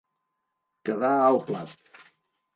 Quedar al plat.